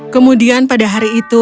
kemudian pada hari itu